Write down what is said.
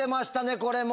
これも。